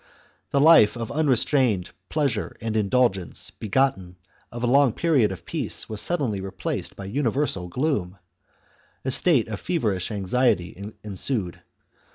The life of unre strained pleasure and indulgence begotten of a long period of peace was suddenly replaced by universal gloom. A state of feverish anxiety ensued.